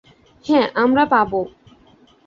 হ্যা, আমরা পাবো।